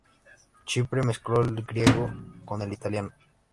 Chipre mezcló el griego con el italiano.